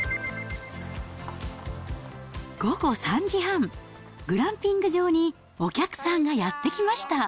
午後３時半、グランピング場にお客さんがやって来ました。